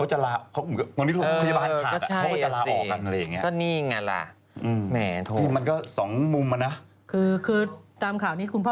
ใช่ที่ก็อ่านอยู่